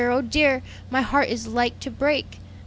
oh, dear! my heart is like to break!